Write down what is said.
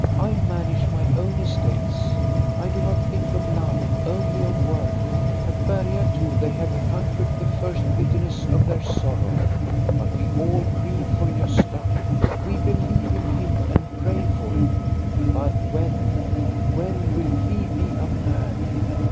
I manage my own estates. I do not think of love, only of work. At Berga too they have con quered the first bitterness of their sorrow. But we all grieve for Gosta. We believe in him and pray for him; but when, when will he be a man?'